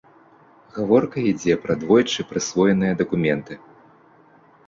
Гаворка ідзе пра двойчы прысвоеныя дакументы.